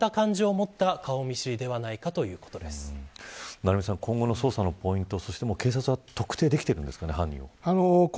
成三さん、今後の捜査のポイント、そしてもう警察は犯人を特定できているんでしょうか。